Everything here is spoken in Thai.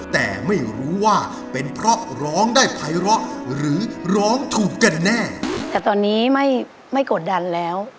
แต่ไม่รู้ว่าเป็นเพราะร้องได้ไปเหรอหรือร้องถูกกันแน่